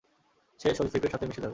সে সরীসৃপদের সাথে মিশে যাবে।